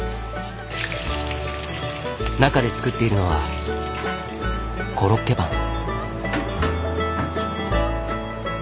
中で作っているのはコロッケパン。